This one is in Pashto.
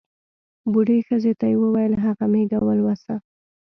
بوډۍ ښځې ته یې ووېل هغه مېږه ولوسه.